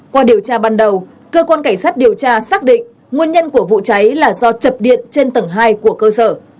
qua điều tra ban đầu cơ quan cảnh sát điều tra xác định nguồn nhân của vụ cháy là do chập điện trên tầng hai của cơ sở